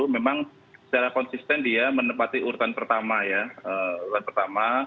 memang secara konsisten dia menempati urutan pertama ya